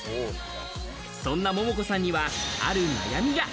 そんな桃子さんにはある悩みが。